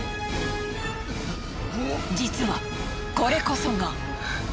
実はこれこそが。